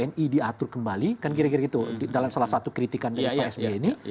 tni diatur kembali kan kira kira gitu dalam salah satu kritikan dari pak sby ini